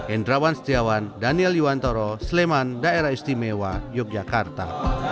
endrawan setiawan daniel yuwantoro sleman daerah istimewa yogyakarta